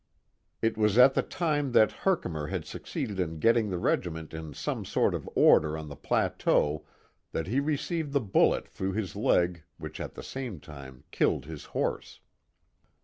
It was at the time that Herkimer had succeeded in getting the regiment in some sort of order on the plateau that he received the bullet through his leg which at the same time killed his horse.